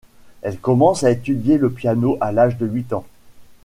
Elle commence à étudier le piano à l'âge de huit ans.